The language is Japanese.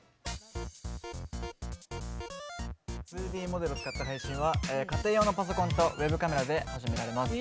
２Ｄモデルを使った配信は家庭用のパソコンとウェブカメラで始められます。